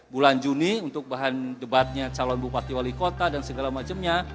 bulan juni untuk bahan debatnya calon bupati wali kota dan segala macamnya